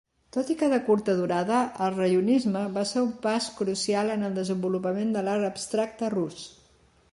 Tot i que de curta durada, el raionisme va ser un pas crucial en el desenvolupament de l'art abstracte rus.